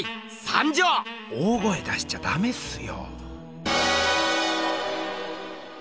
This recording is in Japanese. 大声出しちゃダメっすよ！